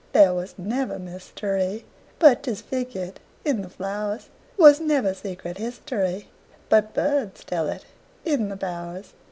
There was never mysteryBut 'tis figured in the flowers; SWas never secret historyBut birds tell it in the bowers.